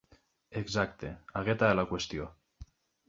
Exacte, aquesta és la qüestió.